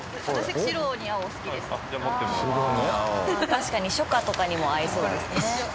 確かに初夏とかにも合いそうですね。